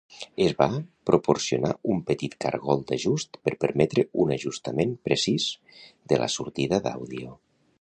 Es va proporcionar un petit cargol d'ajust per permetre un ajustament precís de la sortida d'àudio.